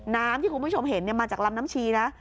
น้ำที่คุณผู้ชมเห็นมาจากลำน้ำชีนะ